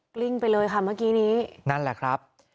ลิ้งไปเลยค่ะเมื่อกี้นี้นั่นแหละครับ